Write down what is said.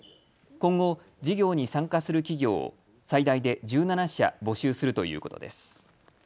今後、事業に参加する企業を最大で１７社募集するということです。